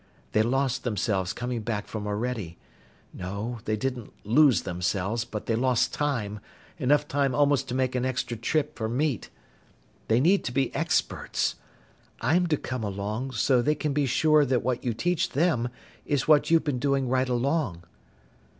They lost themselves coming back from Orede. No, they didn't lose themselves, but they lost time, enough time almost to make an extra trip for meat. They need to be experts. I'm to come along, so they can be sure that what you teach them is what you've been doing right along."